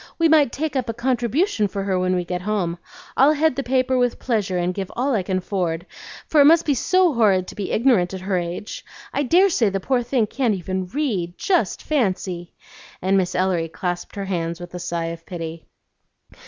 We might take up a contribution for her when we get home. I'll head the paper with pleasure and give all I can afford, for it must be so horrid to be ignorant at her age. I dare say the poor thing can't even read; just fancy!" and Miss Ellery clasped her hands with a sigh of pity.